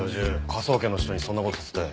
科捜研の人にそんな事させて。